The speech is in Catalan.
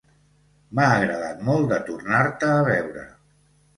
M'ha agradat molt de tornar-te a veure.